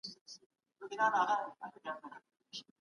په جرګو کي د متخصصو ځوانانو ګډون د پریکړو کیفیت ښه کوي.